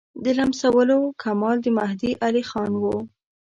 د لمسولو کمال د مهدي علیخان وو.